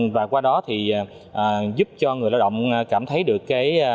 và qua đó thì giúp cho người lao động cảm thấy được cái